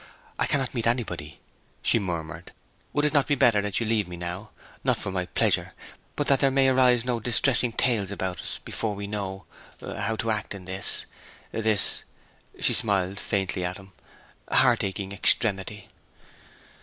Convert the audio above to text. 'I cannot meet anybody!' she murmured. 'Would it not be better that you leave me now? not for my pleasure, but that there may arise no distressing tales about us before we know how to act in this this' (she smiled faintly at him) 'heartaching extremity!'